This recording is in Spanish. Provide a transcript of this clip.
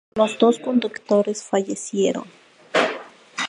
Los dos conductores fallecieron.